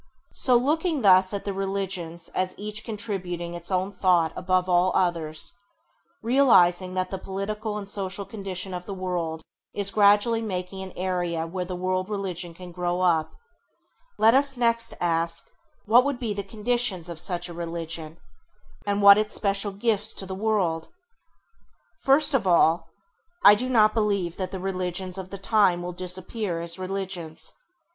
So, looking thus at the religions as each contributing its own thought above all others; realising that the political and social condition of the world is gradually making an area where the World Religion can grow up, let us next ask what would be the [Page 8] conditions of such a religion, and what its special gifts to the world ? First of all, I do not believe that the religions of the time will disappear as religions.